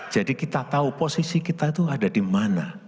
jadi kita tahu posisi kita itu ada di mana